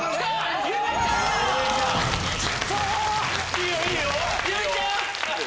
いいよいいよ！